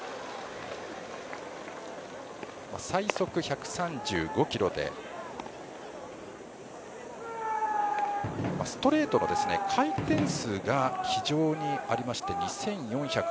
最速１３５キロでストレートの回転数が非常にありまして２４００